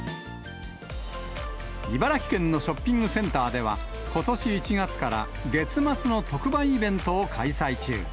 茨城県のショッピングセンターでは、ことし１月から、月末の特売イベントを開催中。